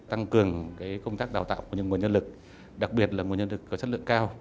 tăng cường công tác đào tạo của những nguồn nhân lực đặc biệt là nguồn nhân lực có chất lượng cao